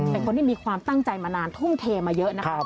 เป็นคนที่มีความตั้งใจมานานทุ่มเทมาเยอะนะคะ